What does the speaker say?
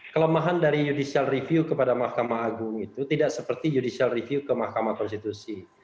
kelemahan dari judicial review kepada mahkamah agung itu tidak seperti judicial review ke mahkamah konstitusi